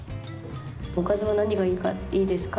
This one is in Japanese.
「おかずは何がいいですか？」。